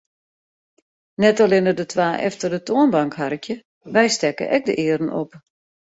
Net allinne de twa efter de toanbank harkje, wy stekke ek de earen op.